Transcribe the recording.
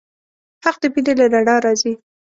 حق د مینې له رڼا راځي.